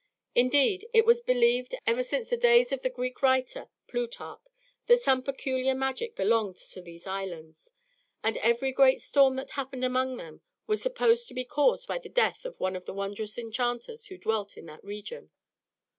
Indeed, it was believed, ever since the days of the Greek writer, Plutarch, that some peculiar magic belonged to these islands; and every great storm that happened among them was supposed to be caused by the death of one of the wondrous enchanters who dwelt in that region.